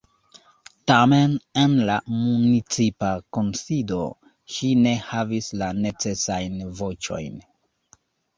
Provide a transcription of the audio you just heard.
Tamen en la municipa kunsido ŝi ne havis la necesajn voĉojn.